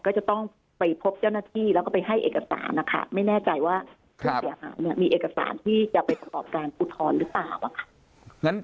ก็จะต้องไปพบเจ้าหน้าที่แล้วก็ไปให้เอกสารนะคะไม่แน่ใจว่าผู้เสียหายเนี่ยมีเอกสารที่จะไปประกอบการอุทธรณ์หรือเปล่าค่ะ